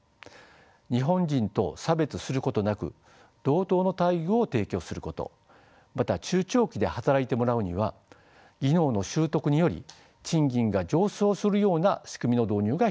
日本人と差別することなく同等の待遇を提供することまた中長期で働いてもらうには技能の習得により賃金が上昇するような仕組みの導入が必要です。